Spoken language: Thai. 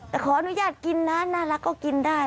แต่ขออนุญาตกินนะน่ารักก็กินได้